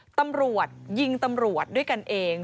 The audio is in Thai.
ตำรวจยิงตำรวจด้วยกันเอง